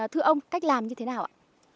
thưa ông cách làm như thế nào ạ